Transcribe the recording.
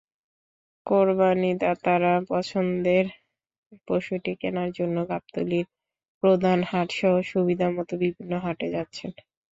কোরবানিদাতারা পছন্দের পশুটি কেনার জন্য গাবতলীর প্রধান হাটসহ সুবিধামতো বিভিন্ন হাটে যাচ্ছেন।